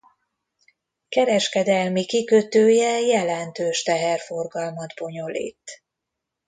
Kereskedelmi kikötője jelentős teherforgalmat bonyolít.